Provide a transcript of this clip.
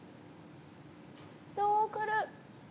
どうくる？